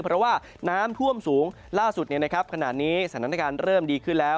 เพราะว่าน้ำท่วมสูงล่าสุดขณะนี้สถานการณ์เริ่มดีขึ้นแล้ว